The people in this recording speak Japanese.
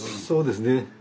そうですね。